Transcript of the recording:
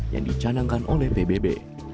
yang dicanangkan oleh pbb